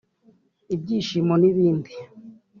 ibishyimbo n’ibindi